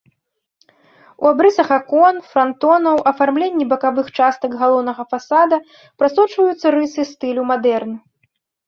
У абрысах акон, франтонаў, афармленні бакавых частак галоўнага фасада прасочваюцца рысы стылю мадэрн.